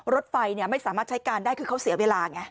รถไฟไม่สามารถใช้การได้คือเขาเสียเวลาไง